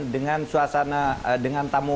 dengan suasana dengan tamu